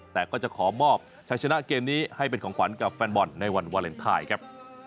แต่ก็จะขอมอบชัยชนะเกมนี้ให้เป็นของขวัญกับแฟนบอลในวันวาเลนไทยครับ